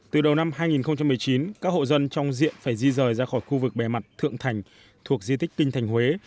từ đầu năm hai nghìn một mươi chín các hộ dân trong diện phải di rời ra khỏi khu vực bề mặt thượng thành thuộc di tích kinh thành huế